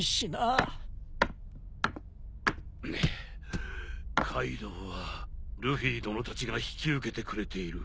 ハァカイドウはルフィ殿たちが引き受けてくれている。